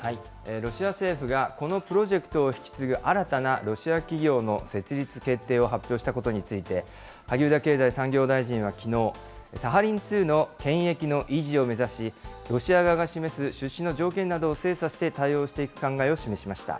ロシア政府がこのプロジェクトを引き継ぐ新たなロシア企業の設立決定を発表したことについて、萩生田経済産業大臣はきのう、サハリン２の権益の維持を目指し、ロシア側が示す出資の条件などを精査して、対応していく考えを示しました。